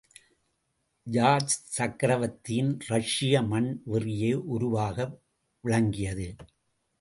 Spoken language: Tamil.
ஜார்சக்கரவர்த்தியின் ரஷ்யா மண் வெறியே உருவாக விளங்கியது.